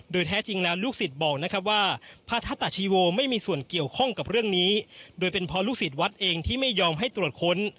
โดยแท้จริงแล้วลูกศิษย์บอกนะครับว่าพระธตาชีโวไม่มีส่วนเกี่ยวข้องกับเรื่องนี้โดยเป็นเพราะลูกศิษย์วัดเองที่ไม่ยอมให้ตรวจค้น